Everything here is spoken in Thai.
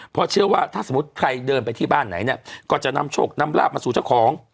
เพราะเชื่อว่าถ้าสมมุติใครเดินไปที่บ้านไหนเนี่ยก็จะนำโชคนำลาบมาสู่เจ้าของ